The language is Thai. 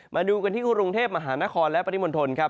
มาดูกันที่กรุงเทพมหานครและปริมณฑลครับ